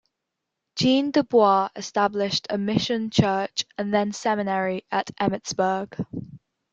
Jean Dubois established a mission church, and then seminary at Emmitsburg.